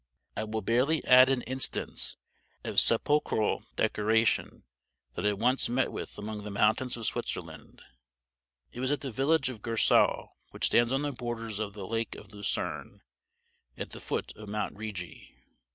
I will barely add an instance of sepulchral decoration that I once met with among the mountains of Switzerland. It was at the village of Gersau, which stands on the borders of the Lake of Lucerne, at the foot of Mount Rigi.